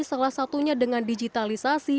salah satunya dengan digitalisasi